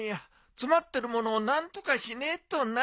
詰まってるものを何とかしねえとな。